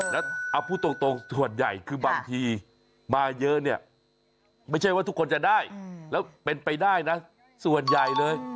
แล้วเอาพูดตรงส่วนใหญ่คือบางทีมาเยอะเนี่ยไม่ใช่ว่าทุกคนจะได้แล้วเป็นไปได้นะส่วนใหญ่เลย